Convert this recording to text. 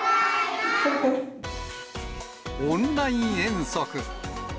オンライン遠足。